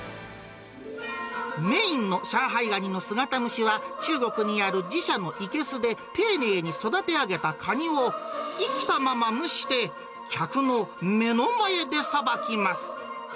メインの上海ガニの姿蒸しは、中国にある自社の生けすで、丁寧に育て上げたカニを生きたまま蒸して、客の目の前でさばきます。